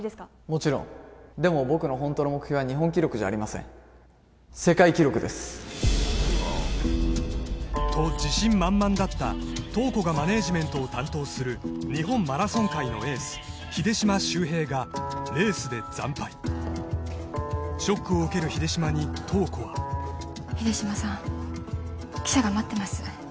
もちろんでも僕のホントの目標は日本記録じゃありません世界記録ですと自信満々だった塔子がマネージメントを担当する日本マラソン界のエース秀島修平がレースで惨敗ショックを受ける秀島に塔子は秀島さん記者が待ってます